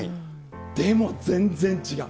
でも全然違う。